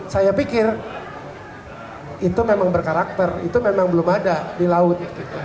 saya pikir itu memang berkarakter itu memang belum ada di laut